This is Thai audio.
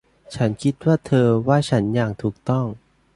ฉันคิดว่าเธอว่าฉันอย่างถูกต้อง